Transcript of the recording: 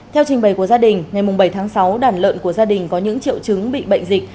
theo trình bày của gia đình ngày bảy tháng sáu đàn lợn của gia đình có những triệu chứng bị bệnh dịch